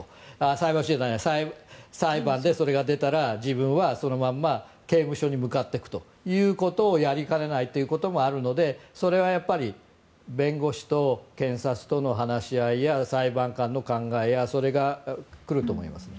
裁判所じゃないや裁判でそれが出たら自分はそのまま刑務所に向かっていくということをやりかねないこともあるので、それはやっぱり弁護士と検察との話し合いや裁判官の考えなどそれが来ると思いますね。